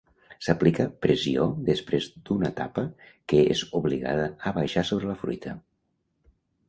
S'aplica pressió després d'una tapa que és obligada a baixar sobre la fruita.